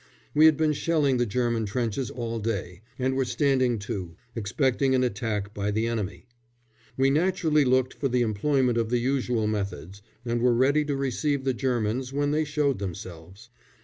We had been shelling the German trenches all day, and were standing to, expecting an attack by the enemy. We naturally looked for the employment of the usual methods, and were ready to receive the Germans when they showed themselves.